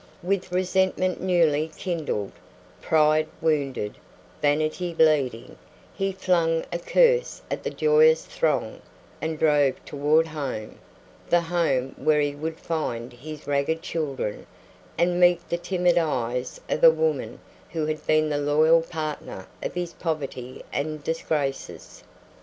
With resentment newly kindled, pride wounded, vanity bleeding, he flung a curse at the joyous throng and drove toward home, the home where he would find his ragged children and meet the timid eyes of a woman who had been the loyal partner of his poverty and disgraces.